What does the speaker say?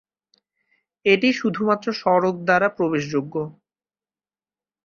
এটি শুধুমাত্র সড়ক দ্বারা প্রবেশযোগ্য।